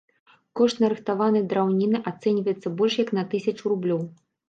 Кошт нарыхтаванай драўніны ацэньваецца больш як на тысячу рублёў.